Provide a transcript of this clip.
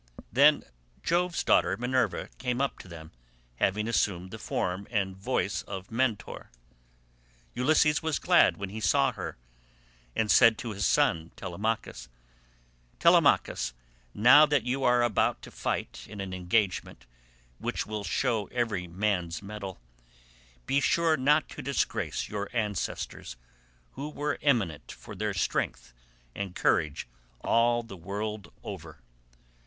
Then Jove's daughter Minerva came up to them, having assumed the form and voice of Mentor. Ulysses was glad when he saw her, and said to his son Telemachus, "Telemachus, now that you are about to fight in an engagement, which will show every man's mettle, be sure not to disgrace your ancestors, who were eminent for their strength and courage all the world over."